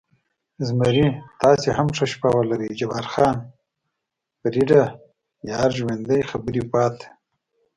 زمري: تاسې هم ښه شپه ولرئ، جبار خان: فرېډه، یار ژوندی، خبرې پاتې.